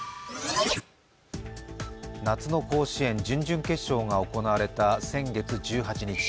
夏の甲子園準々決勝が行われた先月１８日。